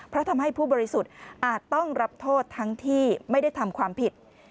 เพราะทำให้ผู้บริสุทธิ์อาจต้องรับโทษทั้งที่ไม่ได้ทำความผิด